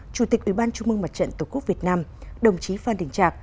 chủ tịch ủy ban trung mương mặt trận tổ quốc việt nam đồng chí phan đình trạc